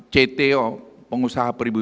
cto pengusaha perimu